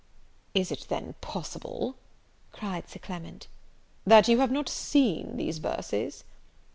"Is it then possible," cried Sir Clement, "that you have not seen these verses?"